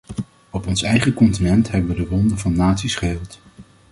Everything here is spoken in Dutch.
Op ons eigen continent hebben we de wonden van naties geheeld.